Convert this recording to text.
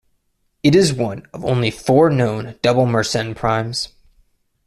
It is one of only four known double Mersenne primes.